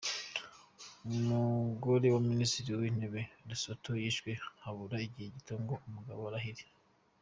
Umugore wa Minisitiri w’ intebe wa Lesotho yishwe habura igihe gito ngo umugabo arahire.